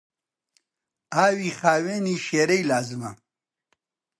ئاوی خاوێنی شێرەی لازمە.